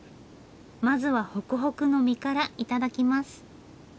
まずはホクホクの身から頂きます。